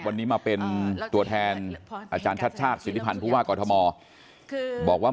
วันนี้มาเป็นตัวแทนอาจารย์ชาติชาติสินิพันธ์ภูวากอธมบอกว่า